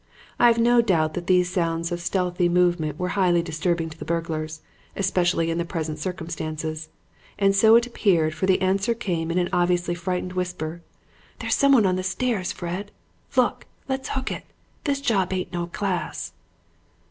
I have no doubt that these sounds of stealthy movement were highly disturbing to the burglars, especially in the present circumstances. And so it appeared, for the answer came in an obviously frightened whisper: 'There's someone on the stairs, Fred. Let's hook it. This job ain't no class.'